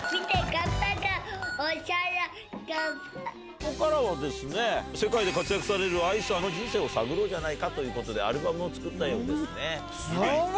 ここからは世界で活躍されるＡＩさんの人生を探ろうということでアルバムを作ったようですね。